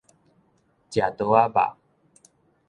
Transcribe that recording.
食刀仔肉